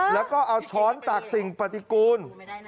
แล้วก็เอาช้อนตากสิ่งปฏิกูล